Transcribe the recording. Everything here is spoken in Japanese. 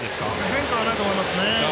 変化はないと思いますね。